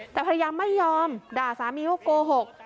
แต่ภรรยาไม่ยอมด่าสามีว่าโกหก